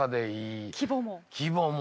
規模も。